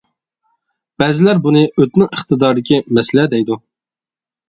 بەزىلەر بۇنى ئۆتنىڭ ئىقتىدارىدىكى مەسىلە دەيدۇ.